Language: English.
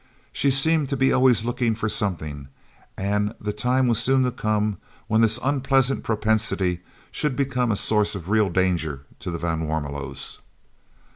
She seemed to be always looking for something, and the time was soon to come when this unpleasant propensity should become a source of real danger to the van Warmelos.